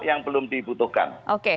yang belum dibutuhkan